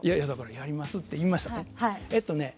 やりますって言いましたね？